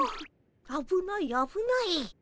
あぶないあぶない。